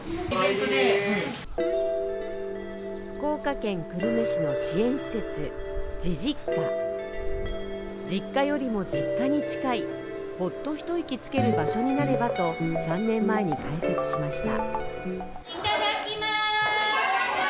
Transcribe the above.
福岡県久留米市の支援施設じじっか実家よりも実家に近いほっと一息つける場所になればと３年前に開設しました。